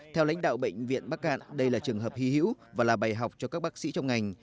theo lãnh đạo bệnh viện bắc cạn đây là trường hợp hy hữu và là bài học cho các bác sĩ trong ngành